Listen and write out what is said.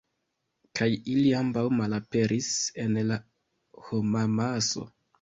Kaj ili ambaŭ malaperis en la homamaso.